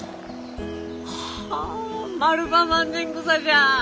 はあマルバマンネングサじゃ！